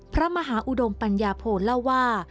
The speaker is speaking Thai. พระมหาอุดมปัญญาโพเล่าว่า